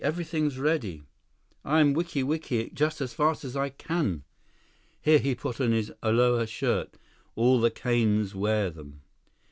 Everything's ready." "I'm wikiwiki ing just as fast as I can." "Here, put on this aloha shirt—all the kanes wear them.